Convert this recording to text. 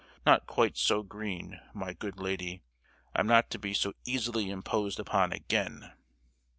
Not quite so green, my good lady! I'm not to be so easily imposed upon again!"